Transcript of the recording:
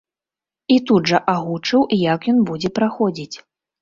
І тут жа агучыў, як ён будзе праходзіць.